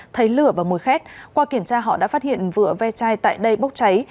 thấy lửa và mùi khét qua kiểm tra họ đã phát hiện vựa ve chai tại đây bốc cháy